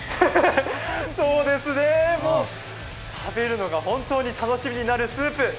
そうですね、食べるのが本当に楽しみになるスープ。